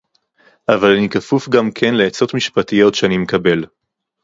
אבל אני כפוף גם כן לעצות משפטיות שאני מקבל